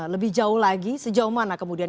lebih jauh lagi sejauh mana kemudian